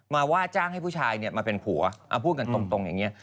มาว่าจ้างให้ผู้ชายนี่มาเป็นผัวเอาพูดกันตรงอย่างเงี้ย